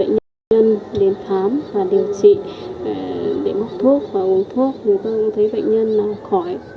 người ta cũng thấy bệnh nhân khỏi